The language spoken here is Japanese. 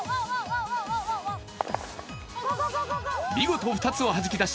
見事、２つをはじき出し、